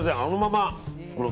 あのまま。